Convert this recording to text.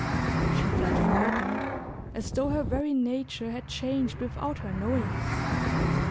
She felt frightened, as though her very nature had changed without her knowing it...